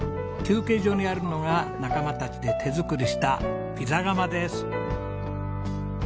休憩所にあるのが仲間たちで手作りしたピザ窯です。